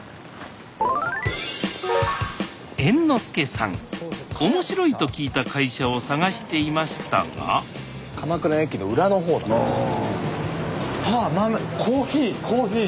猿之助さん面白いと聞いた会社を探していましたがスタジオ鎌倉駅の裏の方なんです。